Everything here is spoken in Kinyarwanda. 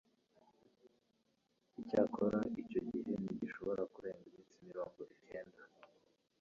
Icyakora icyo gihe ntigishobora kurenga iminsi mirongo kenda